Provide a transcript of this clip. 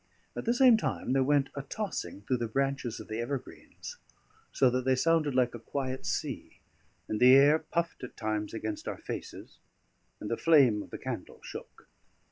At the same time there went a tossing through the branches of the evergreens, so that they sounded like a quiet sea, and the air puffed at times against our faces, and the flame of the candle shook.